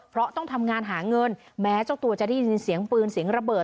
เพราะต้องทำงานหาเงินแม้เจ้าตัวจะได้ยินเสียงปืนเสียงระเบิด